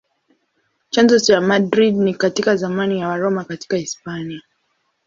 Chanzo cha Madrid ni katika zamani za Waroma katika Hispania.